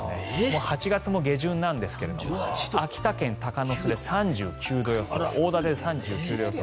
８月も下旬なんですが秋田県鷹巣で３９度予想大館、３９度予想。